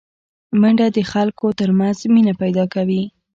منډه د خلکو ترمنځ مینه پیداکوي